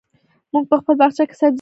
موږ په خپل باغچه کې سبزي کرو.